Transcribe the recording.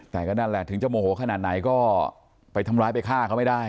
แต่ก็นั่นแหละถึงจะโมโหขนาดไหนก็ไปทำร้ายไปฆ่าเขาไม่ได้